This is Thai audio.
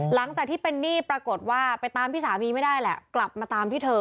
หลังจากที่เป็นหนี้ปรากฏว่าไปตามที่สามีไม่ได้แหละกลับมาตามที่เธอ